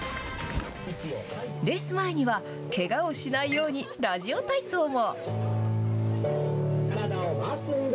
レース前には、けがをしないようにラジオ体操も。